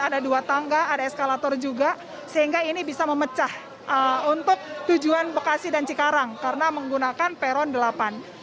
ada dua tangga ada eskalator juga sehingga ini bisa memecah untuk tujuan bekasi dan cikarang karena menggunakan peron delapan